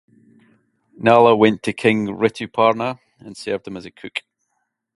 Nala went to King Rituparna and served him as a cook.